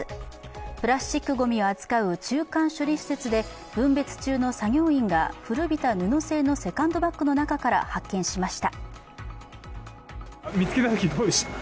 プラスチックごみを扱う中間処理施設で分別中の作業員が古びた布製のセカンドバッグの中から発見しました。